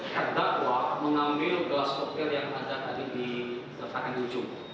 terdakwa mengambil gelas koktel yang ada di letakkan di ujung